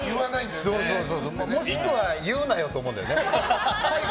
もしくは、言うなよと思うよね。